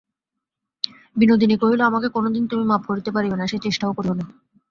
বিনোদিনী কহিল, আমাকে কোনোদিন তুমি মাপ করিতে পারিবে না–সে চেষ্টাও করিয়ো না।